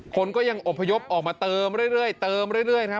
คนก็ยังอบพยพออกมาเติมเรื่อย